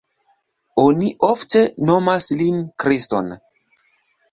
Oni ofte nomas lin Kriston.